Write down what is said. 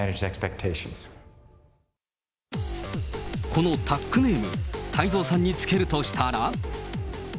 このタックネーム、太蔵さんにつけるとしたら。